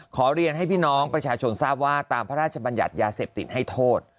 ขอเรียนให้พี่น้องประชาชนทราบว่าตามพระราชบัญญัติยาเสพติดให้โทษ